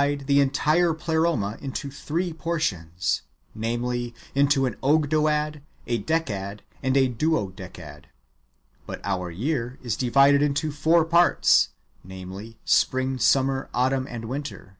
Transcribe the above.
Moreover, they divide the entire Pleroma into three portions, — namely, into an Ogdoad, a Decad, and a Duodecad. But our year is divided into four parts, — namelv, spring, summer, autumn, and winter.